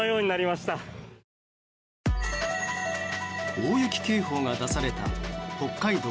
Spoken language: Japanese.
大雪警報が出された北海道